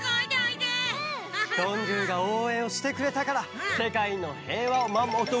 どんぐーがおうえんをしてくれたからせかいのへいわをまも。